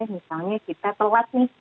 misalnya kita telat nih